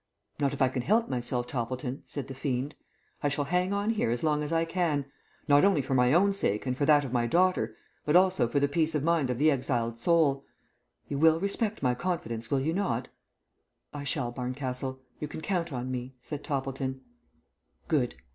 "Not if I can help myself, Toppleton," said the fiend. "I shall hang on here as long as I can, not only for my own sake and for that of my daughter, but also for the peace of mind of the exiled soul. You will respect my confidence, will you not?" "I shall, Barncastle. You may count on me," said Toppleton. "Good.